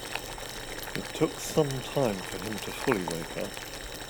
It took some time for him to fully wake up.